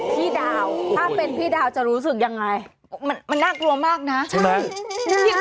พี่ดาวถ้าเป็นพี่ดาวจะรู้สึกอย่างไรมันน่ากลัวมากนะใช่ไหมใช่ไหม